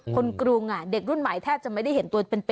กรุงเด็กรุ่นใหม่แทบจะไม่ได้เห็นตัวเป็น